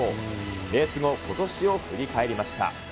レース後、ことしを振り返りました。